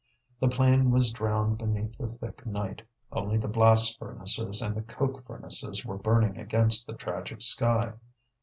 The plain was drowned beneath the thick night, only the blast furnaces and the coke furnaces were burning against the tragic sky.